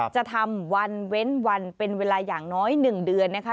จะทำวันเว้นวันเป็นเวลาอย่างน้อย๑เดือนนะคะ